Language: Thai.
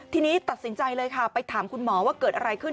ทีนี้ตัดสินใจเลยค่ะไปถามคุณหมอว่าเกิดอะไรขึ้น